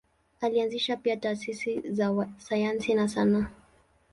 Alianzisha pia taasisi za sayansi na sanaa.